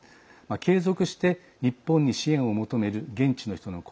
継続して日本に支援を求める現地の人の声